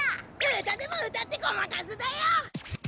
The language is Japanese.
歌でも歌ってごまかすだよ！